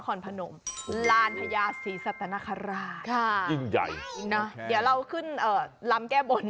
ขึ้นตรงนี้ได้ไหม